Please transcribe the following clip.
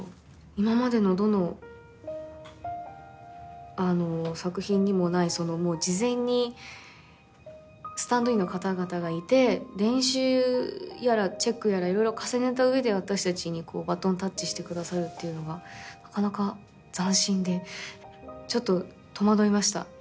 今までのどの作品にもないもう事前にスタンドインの方々がいて練習やらチェックやら色々重ねた上で私たちにバトンタッチしてくださるっていうのがなかなか斬新でちょっと戸惑いました。